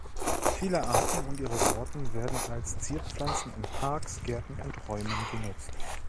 Viele Arten und ihre Sorten werden als Zierpflanzen in Parks, Gärten und Räumen genutzt.